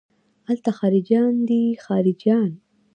الته خارجيان دي خارجيان.